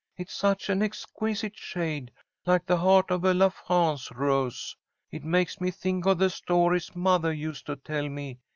"It's such an exquisite shade, like the heart of a la France rose. It makes me think of the stories mothah used to tell me.